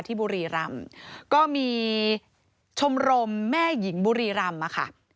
บุรีรำก็มีชมรมแม่หญิงบุรีรำมาค่ะ